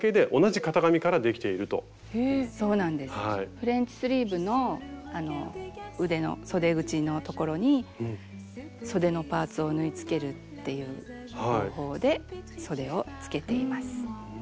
フレンチスリーブの腕のそで口のところにそでのパーツを縫いつけるっていう方法でそでをつけています。